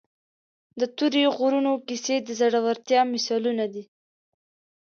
د تورې غرونو کیسې د زړورتیا مثالونه دي.